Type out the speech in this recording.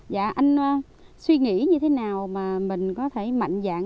và anh suy nghĩ như thế nào mà mình có thể mạnh dạng